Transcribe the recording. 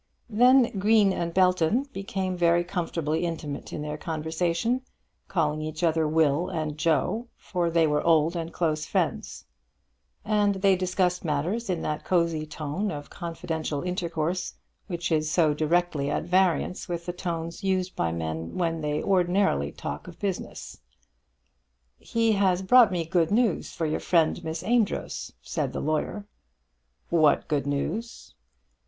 Then Green and Belton became very comfortably intimate in their conversation, calling each other Will and Joe, for they were old and close friends. And they discussed matters in that cozy tone of confidential intercourse which is so directly at variance with the tones used by men when they ordinarily talk of business. "He has brought me good news for your friend, Miss Amedroz," said the lawyer. "What good news?"